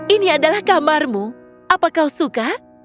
ini adalah kamarmu apa kau suka